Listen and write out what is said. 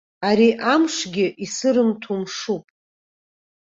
Ари амшгьы исырымҭо мшуп.